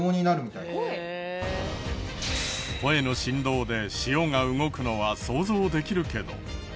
声の振動で塩が動くのは想像できるけど。